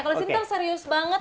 kalau sini kan serius banget